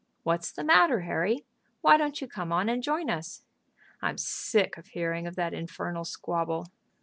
"What's the matter, Harry? Why don't you come on and join us?" "I'm sick of hearing of that infernal squabble."